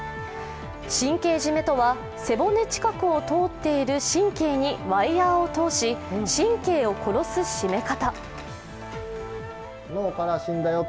神経締めとは背骨近くを通っている神経にワイヤーを通し神経を殺す締め方。